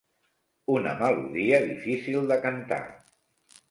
Una melodia difícil de cantar.